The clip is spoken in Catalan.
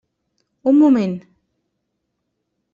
Un moment!